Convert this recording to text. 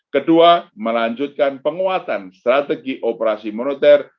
kedua melanjutkan penguatan strategi operasi moneter